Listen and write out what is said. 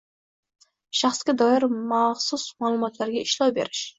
Shaxsga doir maxsus ma’lumotlarga ishlov berish